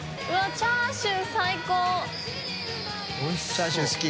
チャーシュー好き？